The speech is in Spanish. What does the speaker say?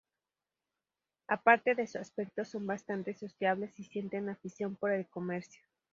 A parte de su aspecto son bastante sociables y sienten afición por el comercio.